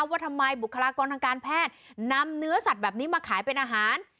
ว่าทำไมบุคลากรทางการแพทย์นำเนื้อสัตว์แบบนี้มาขายเป็นอาหาร